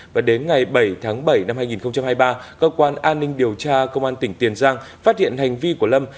và đến ngày bảy tháng bảy năm hai nghìn hai mươi ba cơ quan an ninh điều tra công an tỉnh tiền giang phát hiện hành vi của lâm